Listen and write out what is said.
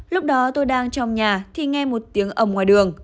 lúc đó tôi đang trong nhà thì nghe một tiếng ẩm ngoài đường